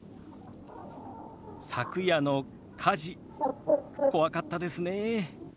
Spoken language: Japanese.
「昨夜の火事怖かったですね」。